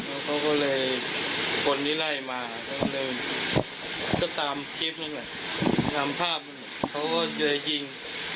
แล้วเขาก็เลยคนที่ไล่มาก็เลยก็ตามคลิปนั่นแหละตามภาพเขาก็เลยยิง